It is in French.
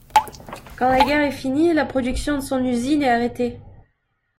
Quand la guerre est finie, la production de son usine est arrêtée.